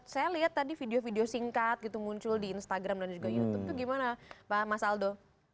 saya lihat tadi video video singkat gitu muncul di instagram dan juga youtube itu gimana pak mas aldo